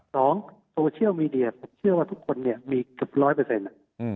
โซเชียลมีเดียผมเชื่อว่าทุกคนเนี่ยมีเกือบร้อยเปอร์เซ็นต์